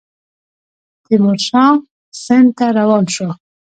تیمورشاه سند ته روان شو.